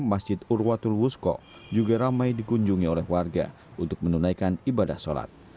masjid urwatul wusko juga ramai dikunjungi oleh warga untuk menunaikan ibadah sholat